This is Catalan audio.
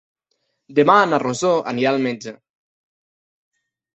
Demà na Rosó anirà al metge.